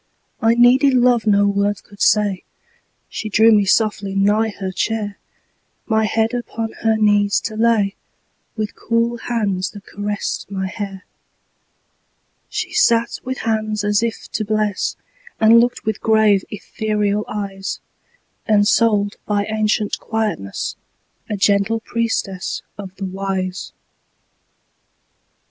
I needed love no words could say; She drew me softly nigh her chair, My head upon her knees to lay, With cool hands that caressed my hair. She sat with hands as if to bless, And looked with grave, ethereal eyes; Ensouled by ancient quietness, A gentle priestess of the Wise.